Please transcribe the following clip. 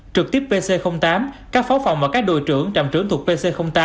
trực tiếp pc tám các phó phòng và các đội trưởng trạm trưởng thuộc pc tám